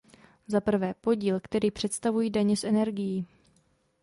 Za prvé, podíl, který představují daně z energií.